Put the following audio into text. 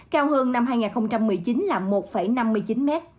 cao hơn năm hai nghìn một mươi chín là năm m